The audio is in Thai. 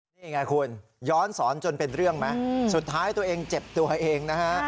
นี่ไงคุณย้อนสอนจนเป็นเรื่องไหมสุดท้ายตัวเองเจ็บตัวเองนะฮะ